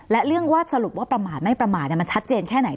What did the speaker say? และเรื่องว่าสรุปว่าประมาทไม่ประมาทมันชัดเจนแค่ไหน